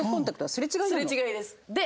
すれ違いです。